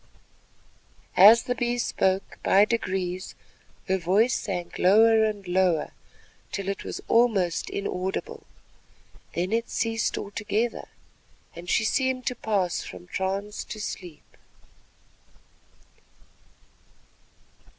As the Bee spoke, by degrees her voice sank lower and lower till it was almost inaudible. Then it ceased altogether and she seemed to pass from trance to sleep.